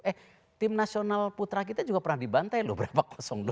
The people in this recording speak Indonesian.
eh tim nasional putra kita juga pernah dibantai loh berapa dua